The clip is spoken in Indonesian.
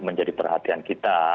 menjadi perhatian kita